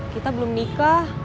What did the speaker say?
kita belum nikah